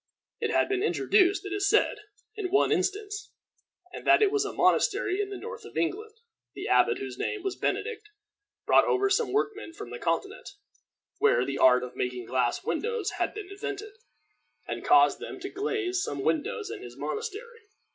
It had been introduced, it is said, in one instance, and that was in a monastery in the north of England. The abbot, whose name was Benedict, brought over some workmen from the Continent, where the art of making glass windows had been invented, and caused them to glaze some windows in his monastery.